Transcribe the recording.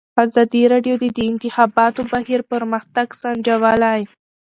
ازادي راډیو د د انتخاباتو بهیر پرمختګ سنجولی.